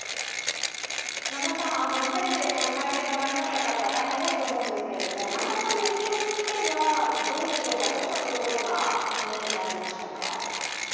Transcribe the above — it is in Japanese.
テレビでこの会見をご覧になった方、大変多いと思うんですが南波さんの印象としてはどんなところが気になりましたか？